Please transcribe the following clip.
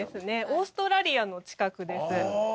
オーストラリアの近くです。